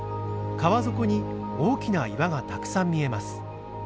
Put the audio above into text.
川底に大きな岩がたくさん見えます。